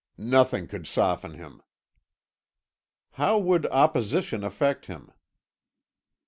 "Nothing could soften him." "How would opposition affect him?"